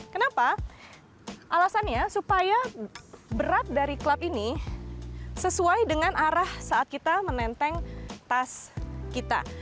kenapa alasannya supaya berat dari klub ini sesuai dengan arah saat kita menenteng tas kita